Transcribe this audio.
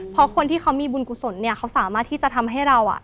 เพราะคนที่เขามีบุญกุศลเนี่ยเขาสามารถที่จะทำให้เราอ่ะ